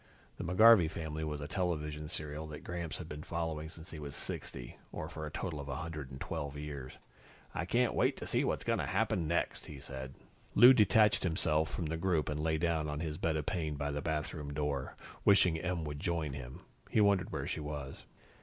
The McGarvey Family was a television serial that Gramps had been following since he was 60, or for a total of 112 years. "I can't wait to see what's going to happen next," he said. Lou detached himself from the group and lay down on his bed of pain by the bathroom door. Wishing Em would join him, he wondered where she was.